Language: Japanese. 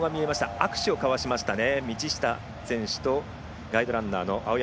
握手を交わしましたね。